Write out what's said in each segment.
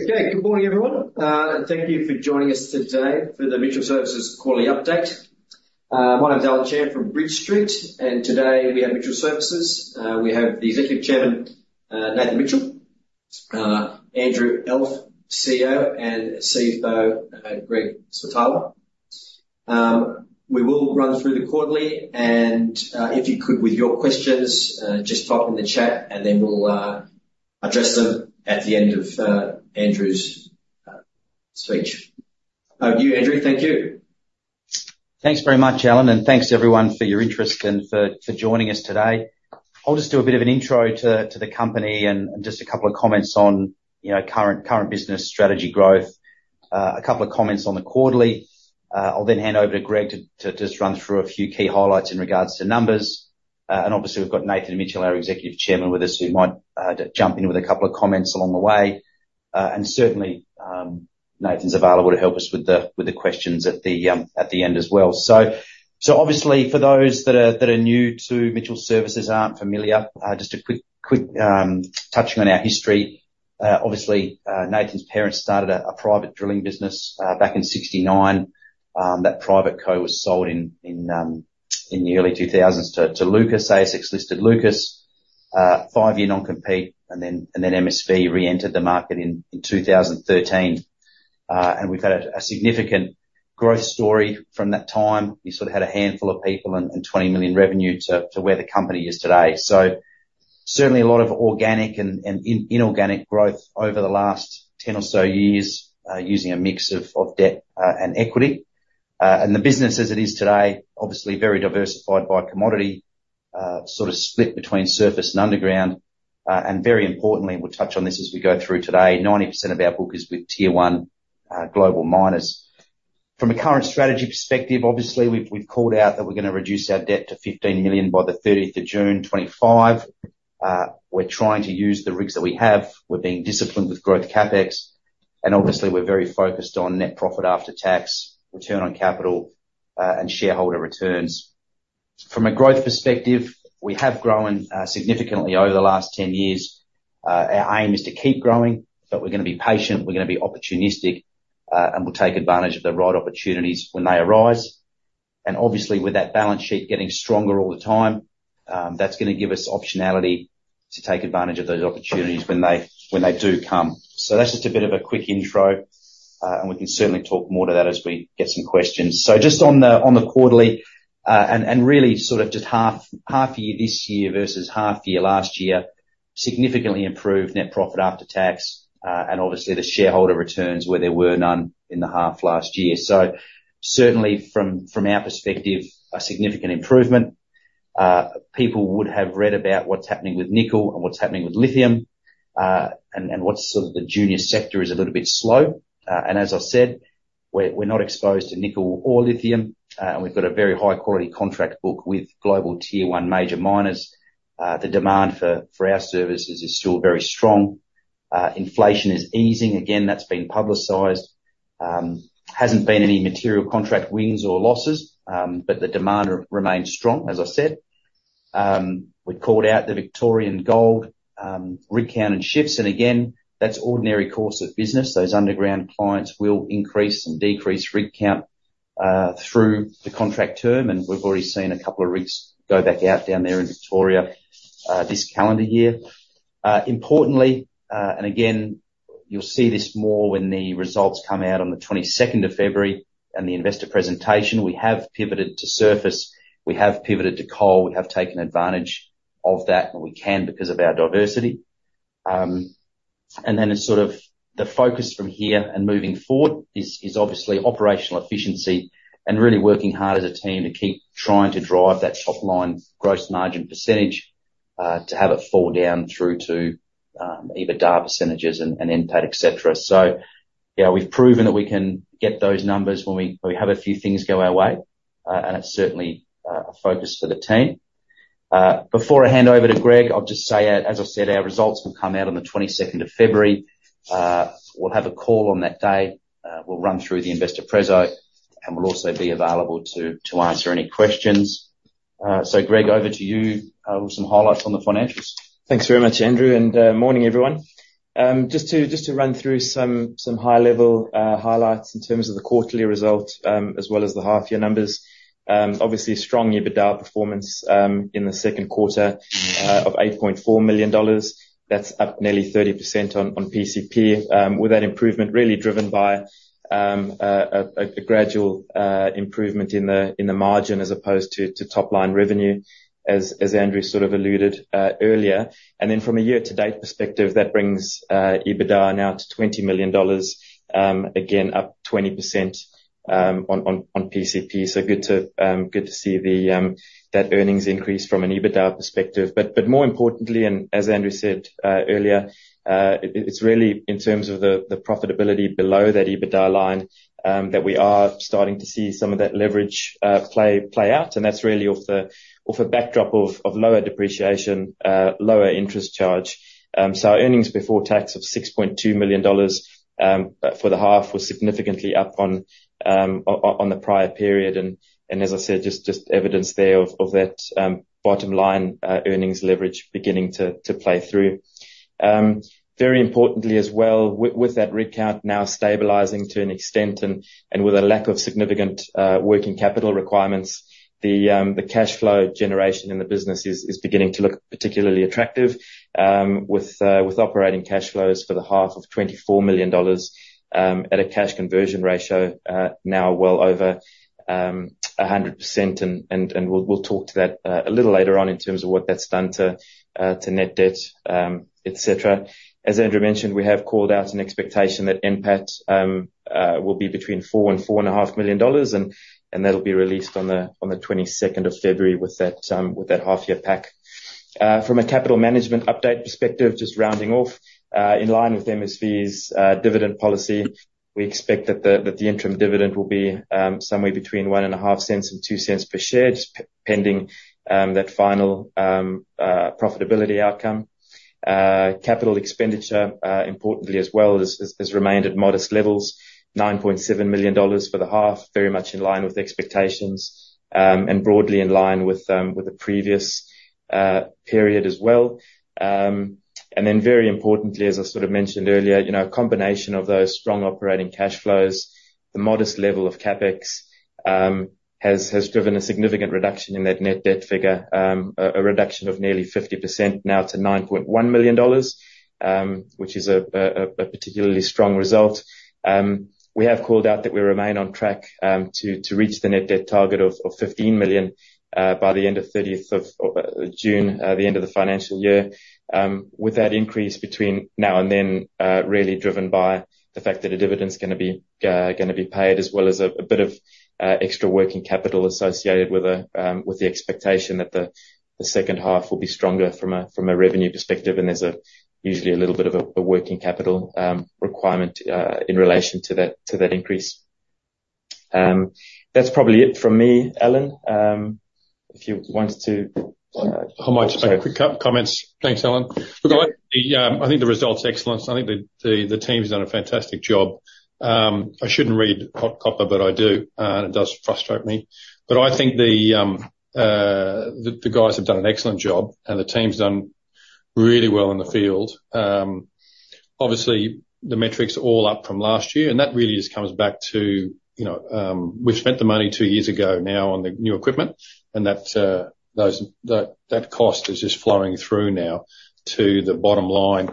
Okay, good morning, everyone. Thank you for joining us today for the Mitchell Services quarterly update. My name is Allen Chan from Bridge Street, and today we have Mitchell Services. We have the Executive Chairman, Nathan Mitchell, Andrew Elf, CEO, and CFO, Greg Switala. We will run through the quarterly, and, if you could, with your questions, just pop in the chat, and then we'll address them at the end of Andrew's speech. Over to you, Andrew. Thank you. Thanks very much, Allen, and thanks everyone for your interest and for joining us today. I'll just do a bit of an intro to the company and just a couple of comments on, you know, current business strategy growth. A couple of comments on the quarterly. I'll then hand over to Greg to just run through a few key highlights in regards to numbers. And obviously, we've got Nathan Mitchell, our Executive Chairman, with us, who might jump in with a couple of comments along the way. And certainly, Nathan's available to help us with the questions at the end as well. So obviously, for those that are new to Mitchell Services aren't familiar, just a quick touching on our history. Obviously, Nathan's parents started a private drilling business back in 1969. That private co was sold in the early 2000s to Lucas, ASX-listed Lucas. Five-year non-compete, and then MSV reentered the market in 2013. We've had a significant growth story from that time. We sort of had a handful of people and 20 million revenue to where the company is today. So certainly a lot of organic and inorganic growth over the last ten or so years, using a mix of debt and equity. The business as it is today, obviously very diversified by commodity, sort of split between surface and underground. And very importantly, we'll touch on this as we go through today, 90% of our book is with Tier One, global miners. From a current strategy perspective, obviously, we've, we've called out that we're going to reduce our debt to 15 million by the thirtieth of June 2025. We're trying to use the rigs that we have. We're being disciplined with growth CapEx, and obviously, we're very focused on net profit after tax, return on capital, and shareholder returns. From a growth perspective, we have grown, significantly over the last 10 years. Our aim is to keep growing, but we're going to be patient, we're going to be opportunistic, and we'll take advantage of the right opportunities when they arise. Obviously, with that balance sheet getting stronger all the time, that's going to give us optionality to take advantage of those opportunities when they, when they do come. That's just a bit of a quick intro, and we can certainly talk more to that as we get some questions. Just on the quarterly, and really sort of just half year, this year versus half year last year, significantly improved net profit after tax, and obviously the shareholder returns, where there were none in the half last year. Certainly from our perspective, a significant improvement. People would have read about what's happening with nickel and what's happening with lithium, and what's sort of the junior sector is a little bit slow. And as I said, we're not exposed to nickel or lithium, and we've got a very high-quality contract book with global Tier One major miners. The demand for our services is still very strong. Inflation is easing. Again, that's been publicized. Hasn't been any material contract wins or losses, but the demand remains strong, as I said. We called out the Victorian gold rig count and shifts, and again, that's ordinary course of business. Those underground clients will increase and decrease rig count through the contract term, and we've already seen a couple of rigs go back out down there in Victoria this calendar year. Importantly, and again, you'll see this more when the results come out on the twenty-second of February and the investor presentation, we have pivoted to surface, we have pivoted to coal. We have taken advantage of that when we can, because of our diversity. And then the sort of the focus from here and moving forward is, is obviously operational efficiency and really working hard as a team to keep trying to drive that top-line gross margin percentage, to have it fall down through to, EBITDA percentages and, and NPAT, et cetera. So yeah, we've proven that we can get those numbers when we, when we have a few things go our way. And it's certainly, a focus for the team. Before I hand over to Greg, I'll just say, as I said, our results will come out on the 22nd of February. We'll have a call on that day. We'll run through the investor preso, and we'll also be available to answer any questions. So Greg, over to you, with some highlights on the financials. Thanks very much, Andrew, and morning, everyone. Just to run through some high-level highlights in terms of the quarterly results, as well as the half-year numbers. Obviously, strong EBITDA performance in the second quarter of 8.4 million dollars. That's up nearly 30% on PCP, with that improvement really driven by a gradual improvement in the margin as opposed to top-line revenue, as Andrew sort of alluded earlier. And then from a year-to-date perspective, that brings EBITDA now to 20 million dollars, again, up 20% on PCP. So good to see that earnings increase from an EBITDA perspective. But more importantly, and as Andrew said earlier, it's really in terms of the profitability below that EBITDA line that we are starting to see some of that leverage play out, and that's really off a backdrop of lower depreciation, lower interest charge. So our earnings before tax of 6.2 million dollars for the half was significantly up on the prior period. And as I said, just evidence there of that bottom line earnings leverage beginning to play through. Very importantly as well, with that rig count now stabilizing to an extent, and with a lack of significant working capital requirements, the cash flow generation in the business is beginning to look particularly attractive, with operating cash flows for the half of 24 million dollars, at a cash conversion ratio now well over 100%. We'll talk to that a little later on in terms of what that's done to net debt, et cetera. As Andrew mentioned, we have called out an expectation that NPAT will be between 4 million dollars and AUD 4.5 million, and that'll be released on the 22nd of February with that half year pack. From a capital management update perspective, just rounding off, in line with MSV's dividend policy, we expect that the interim dividend will be somewhere between 1.5 cents and 2 cents per share, just pending that final profitability outcome. Capital expenditure, importantly as well, has remained at modest levels. 9.7 million dollars for the half, very much in line with expectations, and broadly in line with the previous period as well. And then very importantly, as I sort of mentioned earlier, you know, a combination of those strong operating cash flows, the modest level of CapEx, has driven a significant reduction in that net debt figure. A reduction of nearly 50% now to 9.1 million dollars, which is a particularly strong result. We have called out that we remain on track to reach the net debt target of 15 million by the end of 30th of June, the end of the financial year. With that increase between now and then really driven by the fact that a dividend is gonna be paid, as well as a bit of extra working capital associated with the expectation that the second half will be stronger from a revenue perspective, and there's usually a little bit of a working capital requirement in relation to that increase. That's probably it from me. Allen, if you wanted to, How much? Okay, quick comments. Thanks, Allen. Yeah. Look, I think the result's excellent. I think the team's done a fantastic job. I shouldn't read HotCopper, but I do, and it does frustrate me. But I think the guys have done an excellent job and the team's done really well in the field. Obviously, the metrics are all up from last year, and that really just comes back to, you know, we've spent the money two years ago now on the new equipment, and that cost is just flowing through now to the bottom line.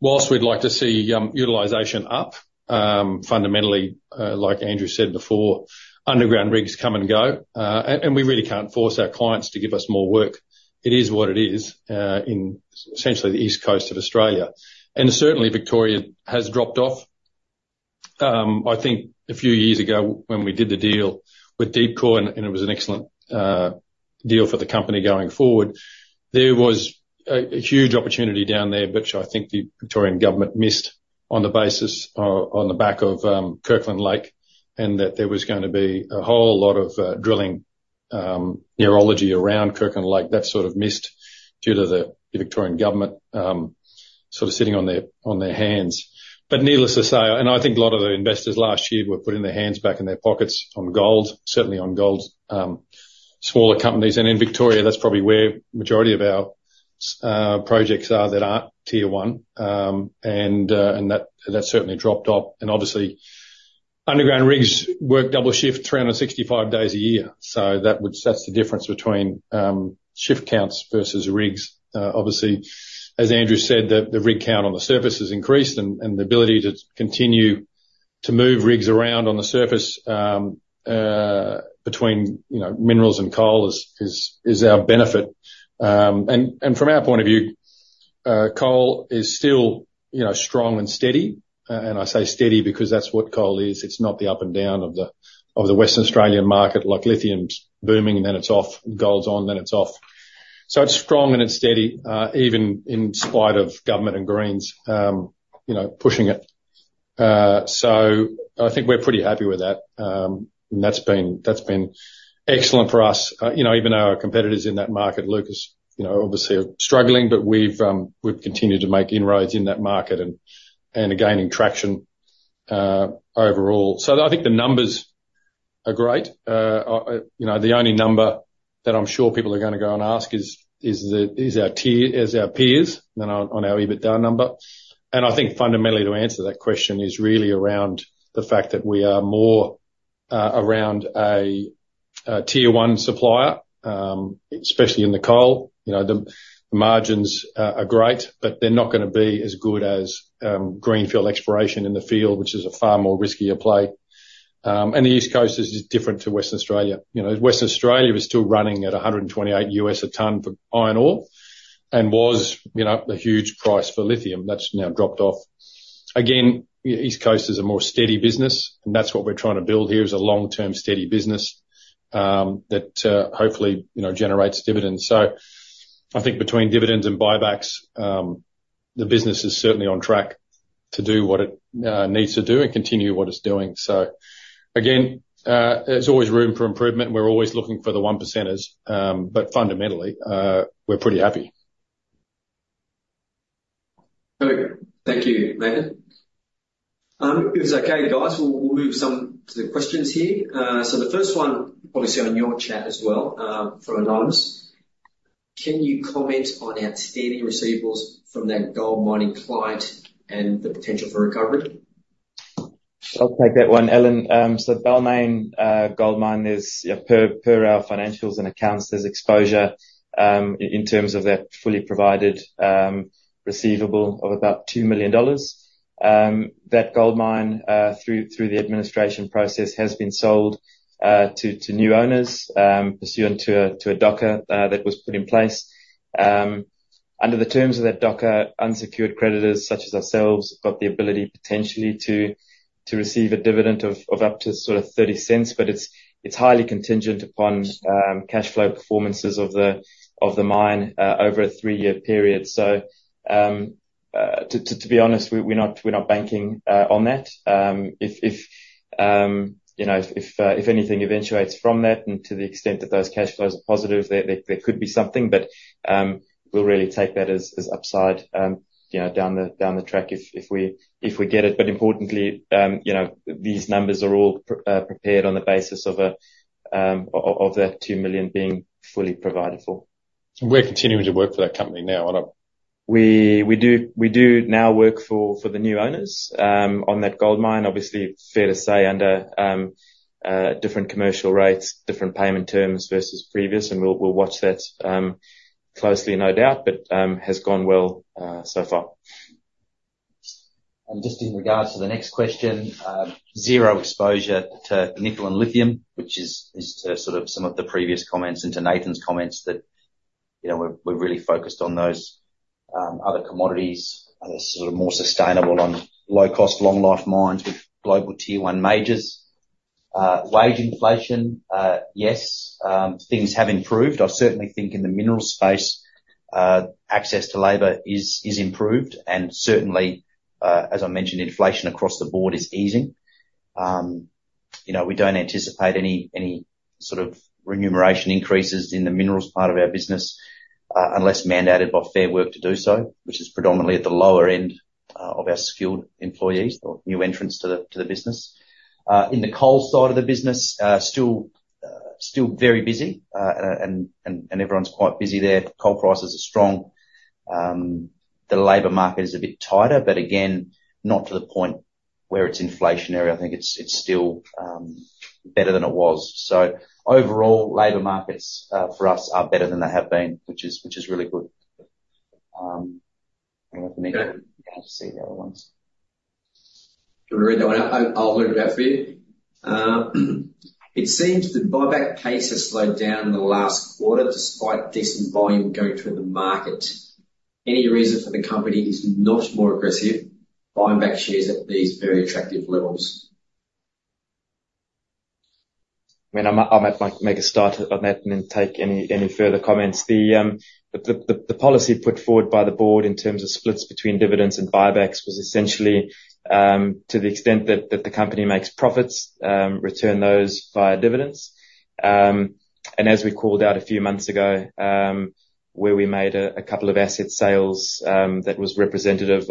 Whilst we'd like to see utilization up, fundamentally, like Andrew said before, underground rigs come and go. And we really can't force our clients to give us more work. It is what it is, in essentially the East Coast of Australia. And certainly, Victoria has dropped off. I think a few years ago when we did the deal with Deepcore, and it was an excellent deal for the company going forward, there was a huge opportunity down there which I think the Victorian government missed on the basis, or on the back of, Kirkland Lake, and that there was gonna be a whole lot of drilling activity around Kirkland Lake. That sort of missed due to the Victorian government sort of sitting on their hands. But needless to say, I think a lot of the investors last year were putting their hands back in their pockets on gold, certainly on gold smaller companies. And in Victoria, that's probably where majority of our projects are that aren't Tier One. And that certainly dropped off. Obviously, underground rigs work double shift, 365 days a year. That's the difference between shift counts versus rigs. Obviously, as Andrew said, the rig count on the surface has increased and the ability to continue to move rigs around on the surface between, you know, minerals and coal is our benefit. And from our point of view, coal is still, you know, strong and steady. And I say steady because that's what coal is. It's not the up and down of the Western Australian market, like lithium's booming, and then it's off. Gold's on, then it's off. So it's strong and it's steady even in spite of government and greens, you know, pushing it. So I think we're pretty happy with that. And that's been, that's been excellent for us. You know, even our competitors in that market, Lucas, you know, obviously are struggling, but we've, we've continued to make inroads in that market and, and are gaining traction, overall. So I think the numbers are great. You know, the only number that I'm sure people are gonna go and ask is our tier one peers then on our EBITDA number. And I think fundamentally, to answer that question is really around the fact that we are more around a Tier One supplier, especially in the coal. You know, the margins are great, but they're not gonna be as good as greenfield exploration in the field, which is a far more riskier play. And the East Coast is just different to Western Australia. You know, Western Australia is still running at 128 $ a ton for iron ore and was, you know, a huge price for lithium. That's now dropped off. Again, East Coast is a more steady business, and that's what we're trying to build here, is a long-term, steady business, that, hopefully, you know, generates dividends. So I think between dividends and buybacks, the business is certainly on track to do what it, needs to do and continue what it's doing. So again, there's always room for improvement. We're always looking for the one percenters, but fundamentally, we're pretty happy. Very good. Thank you. Nathan?... If it's okay, guys, we'll move some to the questions here. So the first one, obviously on your chat as well, from Anonymous: Can you comment on outstanding receivables from that gold mining client and the potential for recovery? I'll take that one, Allen. So Balmaine Gold Mine is per our financials and accounts, there's exposure in terms of that fully provided receivable of about 2 million dollars. That gold mine through the administration process has been sold to new owners pursuant to a DOCA that was put in place. Under the terms of that DOCA, unsecured creditors, such as ourselves, have got the ability, potentially, to receive a dividend of up to sort of 0.30, but it's highly contingent upon cashflow performances of the mine over a 3-year period. So to be honest, we're not banking on that. If anything eventuates from that, and to the extent that those cash flows are positive, there could be something, but we'll really take that as upside, you know, down the track if we get it. But importantly, you know, these numbers are all prepared on the basis of that 2 million being fully provided for. We're continuing to work for that company now, are not we? We do now work for the new owners on that gold mine. Obviously, fair to say, under different commercial rates, different payment terms versus previous, and we'll watch that closely, no doubt, but has gone well so far. Just in regards to the next question, zero exposure to nickel and lithium, which is to sort of some of the previous comments and to Nathan's comments, that, you know, we're really focused on those other commodities that are sort of more sustainable on low-cost, long-life mines with global Tier One majors. Wage inflation, yes, things have improved. I certainly think in the mineral space, access to labor is improved, and certainly, as I mentioned, inflation across the board is easing. You know, we don't anticipate any sort of remuneration increases in the minerals part of our business, unless mandated by Fair Work to do so, which is predominantly at the lower end of our skilled employees or new entrants to the business. In the coal side of the business, still very busy, and everyone's quite busy there. Coal prices are strong. The labor market is a bit tighter, but again, not to the point where it's inflationary. I think it's still better than it was. So overall, labor markets for us are better than they have been, which is really good. Hang on for a minute. Yeah. I'll see the other ones. Do you want me to read that one? I'll read it out for you. It seems the buyback pace has slowed down in the last quarter, despite decent volume going through the market. Any reason for the company is not more aggressive buying back shares at these very attractive levels? I mean, I might make a start on that and then take any further comments. The policy put forward by the board in terms of splits between dividends and buybacks was essentially to the extent that the company makes profits, return those via dividends. And as we called out a few months ago, where we made a couple of asset sales, that was representative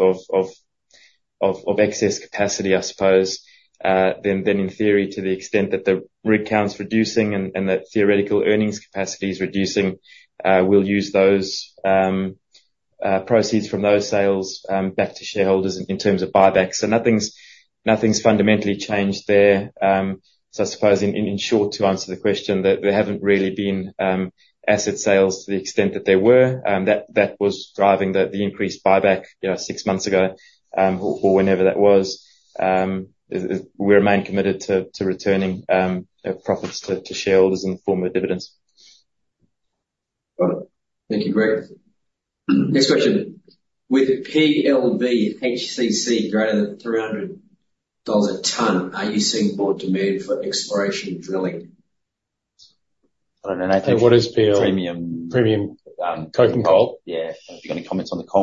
of excess capacity, I suppose. Then in theory, to the extent that the rig count's reducing and the theoretical earnings capacity is reducing, we'll use those proceeds from those sales back to shareholders in terms of buybacks. So nothing's fundamentally changed there. So I suppose in short, to answer the question, that there haven't really been asset sales to the extent that there were. That was driving the increased buyback, you know, six months ago, or whenever that was. We remain committed to returning profits to shareholders in the form of dividends. Got it. Thank you, Greg. Next question: With PLV HCC greater than $300 a ton, are you seeing more demand for exploration drilling? I don't know, Nathan- What is PL-? Premium. Premium, coking coal? Yeah. You got any comments on the coal?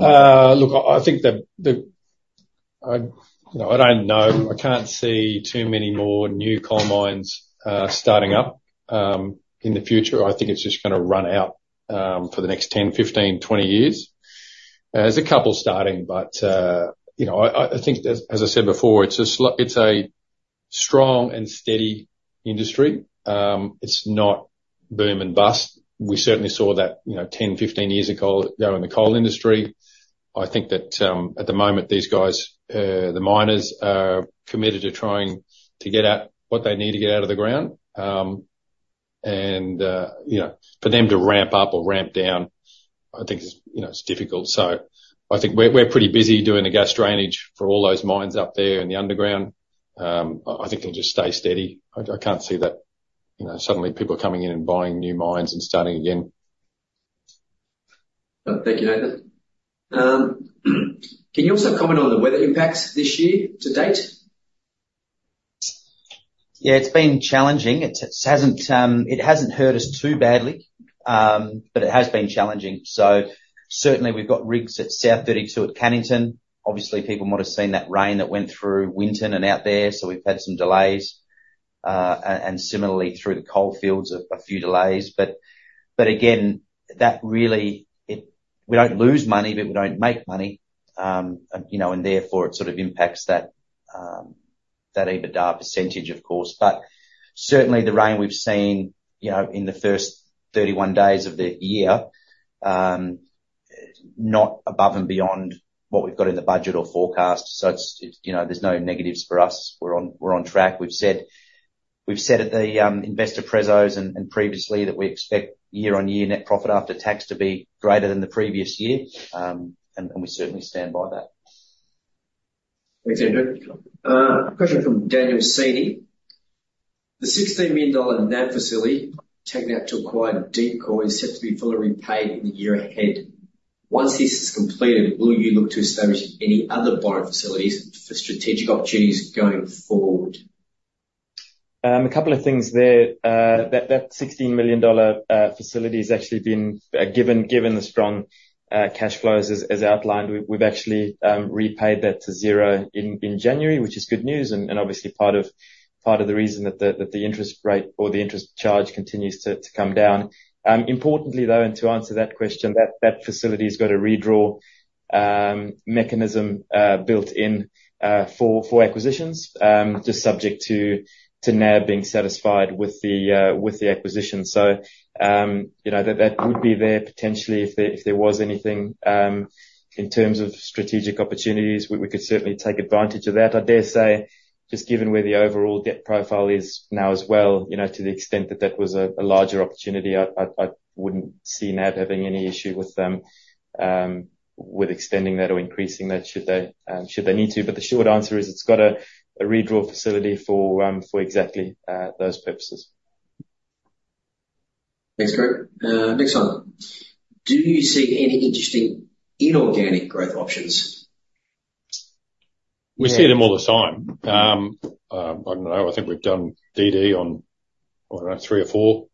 Look, I think the... You know, I don't know. I can't see too many more new coal mines starting up in the future. I think it's just gonna run out for the next 10, 15, 20 years. There's a couple starting, but you know, I think as I said before, it's a strong and steady industry. It's not boom and bust. We certainly saw that, you know, 10, 15 years ago, you know, in the coal industry. I think that at the moment, these guys, the miners, are committed to trying to get out what they need to get out of the ground. And you know, for them to ramp up or ramp down, I think is, you know, it's difficult. So I think we're pretty busy doing the gas drainage for all those mines up there in the underground. I think they'll just stay steady. I can't see that, you know, suddenly people are coming in and buying new mines and starting again. Thank you, Nathan. Can you also comment on the weather impacts this year to date? Yeah, it's been challenging. It hasn't hurt us too badly, but it has been challenging. So certainly we've got rigs at South32 at Cannington. Obviously, people might have seen that rain that went through Winton and out there, so we've had some delays. And similarly through the coalfields, a few delays. But again, that really we don't lose money, but we don't make money. And, you know, and therefore, it sort of impacts that EBITDA percentage, of course. But certainly, the rain we've seen, you know, in the first 31 days of the year, not above and beyond what we've got in the budget or forecast. So it's, you know, there's no negatives for us. We're on track. We've said at the investor prezos and previously that we expect year-on-year net profit after tax to be greater than the previous year. We certainly stand by that. Thanks, Andrew. A question from Daniel Cini: The 16 million dollar NAB facility taken out to acquire Deepcore is set to be fully repaid in the year ahead. Once this is completed, will you look to establish any other borrowing facilities for strategic opportunities going forward? A couple of things there. That sixteen million dollar facility has actually been given the strong cash flows, as outlined. We've actually repaid that to zero in January, which is good news, and obviously part of the reason that the interest rate or the interest charge continues to come down. Importantly, though, and to answer that question, that facility has got a redraw mechanism built in for acquisitions. Just subject to NAB being satisfied with the acquisition. So, you know, that would be there potentially if there was anything in terms of strategic opportunities, we could certainly take advantage of that. I dare say, just given where the overall debt profile is now as well, you know, to the extent that that was a larger opportunity, I wouldn't see NAB having any issue with them with extending that or increasing that, should they need to. But the short answer is: it's got a redraw facility for exactly those purposes. Thanks, Andrew. Next one. Do you see any interesting inorganic growth options? We see them all the time. I don't know. I think we've done DD on, I don't know, 3 or 4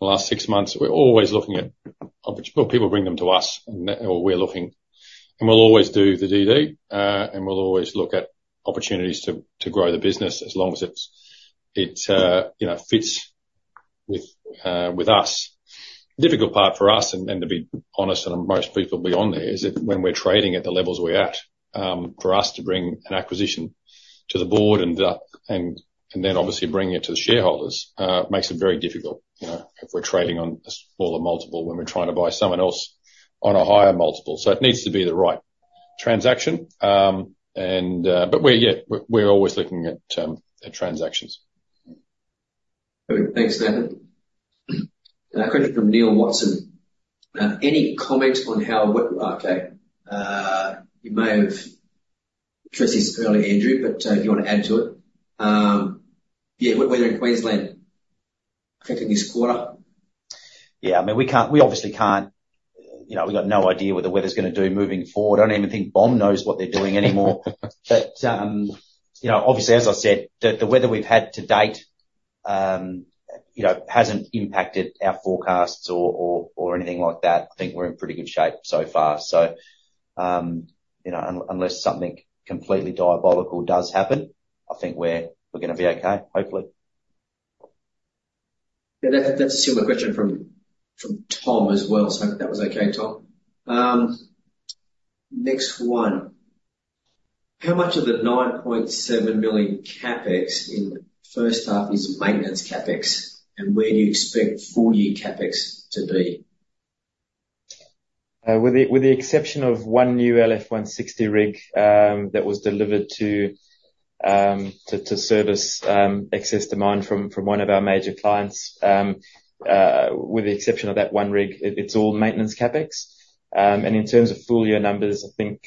the last 6 months. We're always looking at... Well, people bring them to us, and or we're looking, and we'll always do the DD, and we'll always look at opportunities to grow the business, as long as it's, you know, fits with, with us. The difficult part for us, and, and to be honest, and most people will be on there, is that when we're trading at the levels we're at, for us to bring an acquisition to the board and, and, and then obviously bringing it to the shareholders, makes it very difficult. You know, if we're trading on a smaller multiple, when we're trying to buy someone else on a higher multiple. So it needs to be the right transaction. But we're always looking at transactions. Thanks, Nathan. A question from Neil Watson. Any comment on how we... Okay, you may have addressed this earlier, Andrew, but, if you want to add to it. Yeah, wet weather in Queensland affecting this quarter? Yeah, I mean, we obviously can't, you know, we've got no idea what the weather's gonna do moving forward. I don't even think BOM knows what they're doing anymore. But, you know, obviously, as I said, the weather we've had to date, you know, hasn't impacted our forecasts or anything like that. I think we're in pretty good shape so far. So, you know, unless something completely diabolical does happen, I think we're gonna be okay, hopefully. Yeah, that, that's a similar question from, from Tom as well. So hope that was okay, Tom. Next one: How much of the 9.7 million CapEx in the first half is maintenance CapEx, and where do you expect full-year CapEx to be? With the exception of one new LF160 rig that was delivered to service excess demand from one of our major clients. With the exception of that one rig, it's all maintenance CapEx. And in terms of full year numbers, I think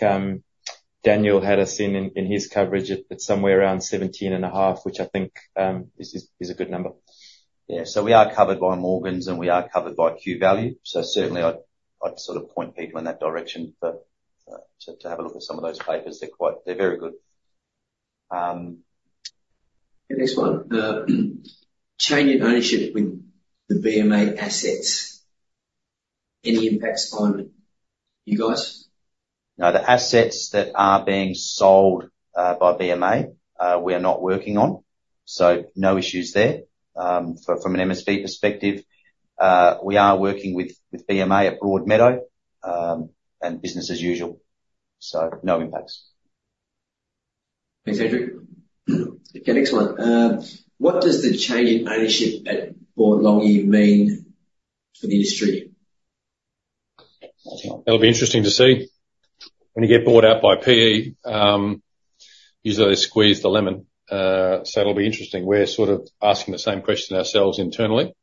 Daniel had us in his coverage at somewhere around 17.5, which I think is a good number. Yeah. So we are covered by Morgans, and we are covered by Q Value, so certainly I'd sort of point people in that direction for to have a look at some of those papers. They're quite... They're very good. The next one, change in ownership with the BMA assets, any impacts on you guys? No. The assets that are being sold by BMA, we are not working on, so no issues there. From an MSP perspective, we are working with BMA at Broadmeadow, and business as usual, so no impacts. Thanks, Andrew. Okay, next one. What does the change in ownership at Boart Longyear mean for the industry? It'll be interesting to see. When you get bought out by PE, usually they squeeze the lemon, so it'll be interesting. We're sort of asking the same question ourselves internally.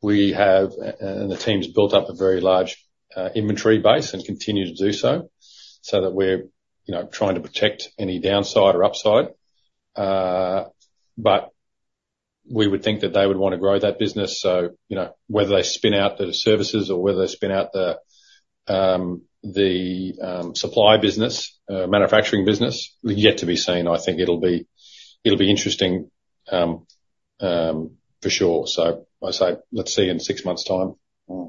We have, and the team's built up a very large inventory base and continue to do so, so that we're, you know, trying to protect any downside or upside. But we would think that they would want to grow that business. So, you know, whether they spin out the services or whether they spin out the supply business, manufacturing business, is yet to be seen. I think it'll be, it'll be interesting, for sure. So I say, let's see in six months' time. Mm-hmm.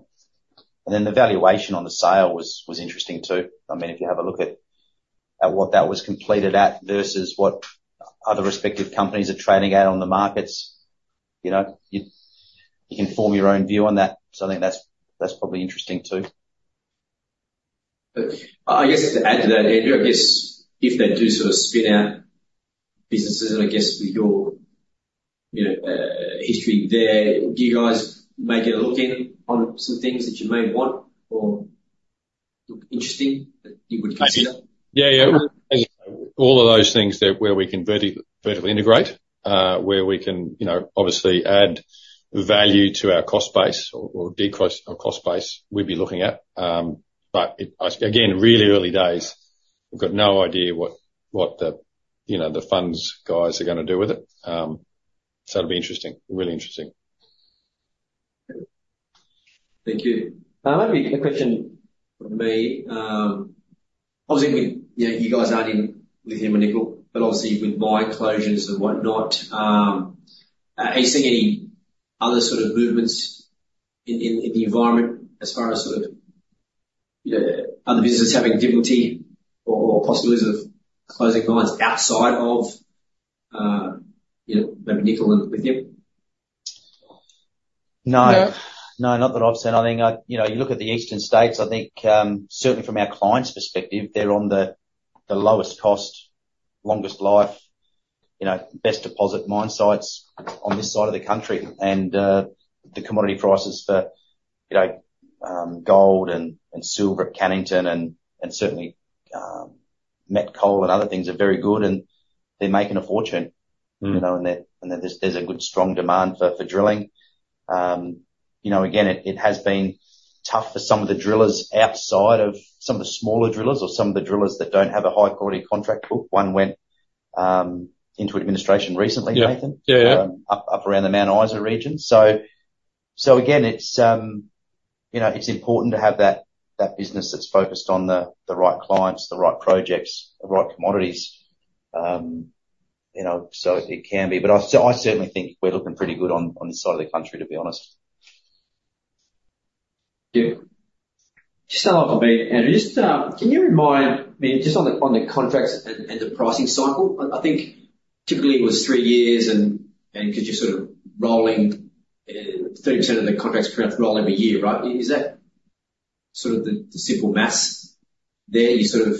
And then the valuation on the sale was interesting, too. I mean, if you have a look at what that was completed at versus what other respective companies are trading at on the markets. You know, you can form your own view on that. So I think that's probably interesting, too. I guess to add to that, Andrew, I guess if they do sort of spin out businesses, and I guess with your, you know, history there, do you guys take a look in on some things that you may want or look interesting that you would consider? Yeah, yeah. As all of those things that, where we can vertically integrate, where we can, you know, obviously add value to our cost base or decrease our cost base, we'd be looking at. But it, again, really early days. We've got no idea what the, you know, the funds guys are gonna do with it. So it'll be interesting. Really interesting. Thank you. Maybe a question from me. Obviously, you know, you guys aren't in lithium or nickel, but obviously, with mine closures and whatnot, are you seeing any other sort of movements in the environment as far as sort of, you know, other businesses having difficulty or possibilities of closing mines outside of, you know, maybe nickel and lithium? No. No, not that I've seen anything. You know, you look at the eastern states, I think, certainly from our clients' perspective, they're on the lowest cost, longest life, you know, best deposit mine sites on this side of the country. The commodity prices for, you know, gold and silver at Cannington and certainly met coal and other things are very good, and they're making a fortune. Mm. You know, and there's a good, strong demand for drilling. You know, again, it has been tough for some of the drillers outside of some of the smaller drillers or some of the drillers that don't have a high-quality contract book. One went into administration recently, Nathan. Yeah. Yeah, yeah. Up around the Mount Isa region. So again, it's you know, it's important to have that business that's focused on the right clients, the right projects, the right commodities, you know, so it can be... But I certainly think we're looking pretty good on this side of the country, to be honest. Yeah. Just follow up on me, Andrew, just, can you remind me just on the, on the contracts and, and the pricing cycle? I, I think typically it was three years and, and because you're sort of rolling, 30% of the contracts roll every year, right? Is that sort of the, the simple math there? You sort of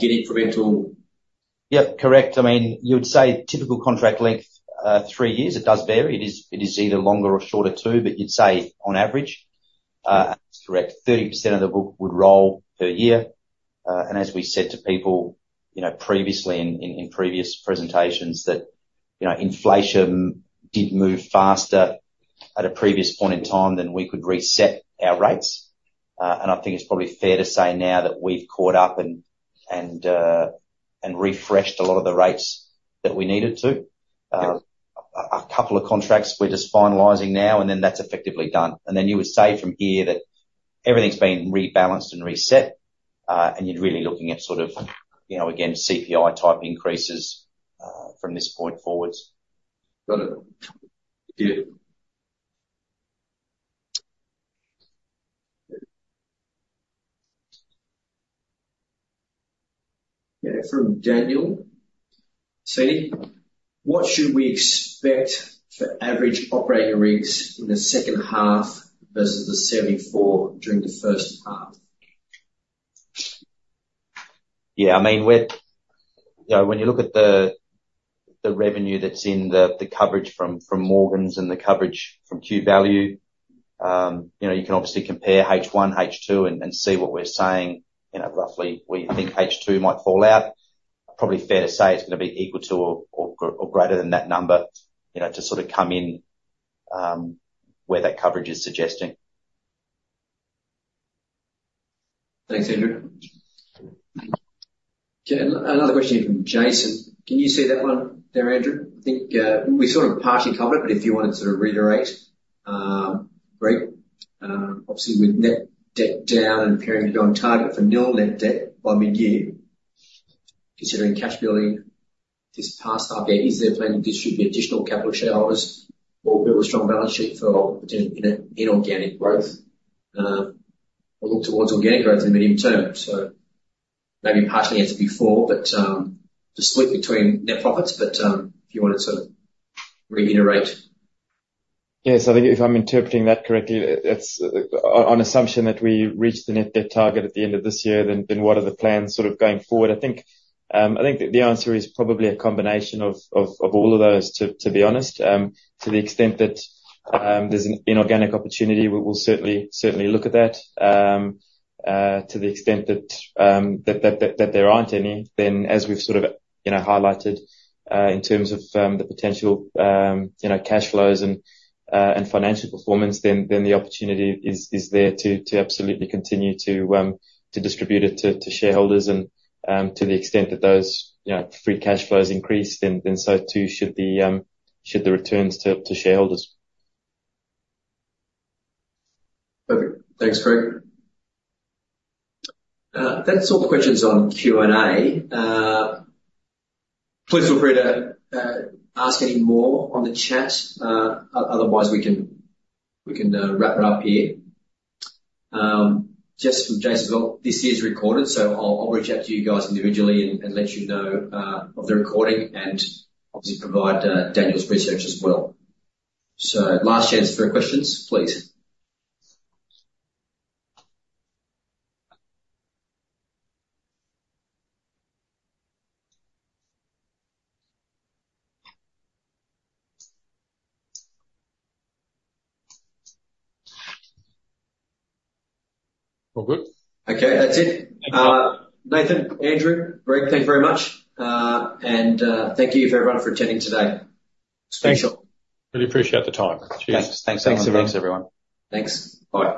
get incremental- Yeah, correct. I mean, you'd say typical contract length, three years. It does vary. It is either longer or shorter, too, but you'd say on average, that's correct. 30% of the book would roll per year. And as we said to people, you know, previously in previous presentations that, you know, inflation did move faster at a previous point in time than we could reset our rates. And I think it's probably fair to say now that we've caught up and refreshed a lot of the rates that we needed to. Yeah. A couple of contracts we're just finalizing now and then that's effectively done. Then you would say from here that everything's been rebalanced and reset, and you're really looking at sort of, you know, again, CPI-type increases from this point forwards. Got it. Thank you. Yeah, from Daniel. So, what should we expect for average operating rigs in the second half versus the 74 during the first half? Yeah, I mean, you know, when you look at the revenue that's in the coverage from Morgans and the coverage from Q Value, you know, you can obviously compare H1, H2 and see what we're saying, you know, roughly where you think H2 might fall out. Probably fair to say it's gonna be equal to or greater than that number, you know, to sort of come in where that coverage is suggesting. Thanks, Andrew. Okay, another question from Jason. Can you see that one there, Andrew? I think, we sort of partially covered it, but if you want to sort of reiterate, Greg, obviously with net debt down and appearing to be on target for nil net debt by mid-year, considering cash building this past half year, is there a plan to distribute additional capital shareholders or build a strong balance sheet for potential inorganic growth? Or look towards organic growth in the medium term. So maybe partially answered before, but, to split between net profits, but, if you wanted to reiterate. Yes, I think if I'm interpreting that correctly, it's on assumption that we reach the net debt target at the end of this year, then what are the plans sort of going forward? I think the answer is probably a combination of all of those, to be honest. To the extent that there's an inorganic opportunity, we will certainly look at that. To the extent that there aren't any, then as we've sort of, you know, highlighted in terms of the potential, you know, cash flows and financial performance, then the opportunity is there to absolutely continue to distribute it to shareholders and, to the extent that those, you know, free cash flows increase, then so too should the returns to shareholders. Perfect. Thanks, Greg. That's all the questions on Q&A. Please feel free to ask any more on the chat. Otherwise, we can wrap it up here. Just from Jason as well, this is recorded, so I'll reach out to you guys individually and let you know of the recording and obviously provide Daniel's research as well. So last chance for questions, please. All good? Okay, that's it. Thanks a lot. Nathan, Andrew, Greg, thank you very much. Thank you for everyone for attending today. Thanks. Really appreciate the time. Cheers. Thanks. Thanks, everyone. Thanks. Bye.